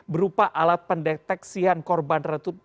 berupa alat pendeteksian korban